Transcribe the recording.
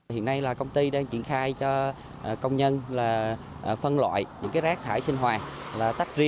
hiện nay là công ty đang chuyển khai cho công nhân phân loại những rác thải sinh hoạt